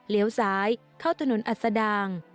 เลี้ยวซ้ายเข้าถนนอัศดาง